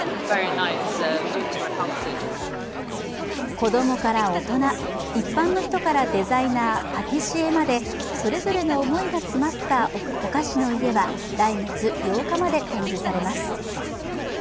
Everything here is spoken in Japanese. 子供から大人、一般の人からデザイナー、パティシエまでそれぞれの思いが詰まったお菓子の家は来月８日まで展示されます。